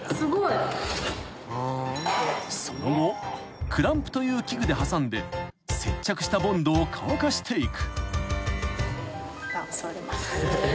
［その後クランプという器具で挟んで接着したボンドを乾かしていく］